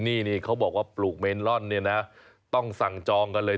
โหที่นี่เขาบอกว่าปลูกเมลอนต้องสั่งจองกันเลย